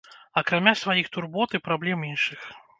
Акрамя сваіх турбот і праблем іншых.